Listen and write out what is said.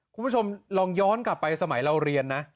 คุณผู้ชมลองย้อนกลับไปสมัยเราเรียนนะ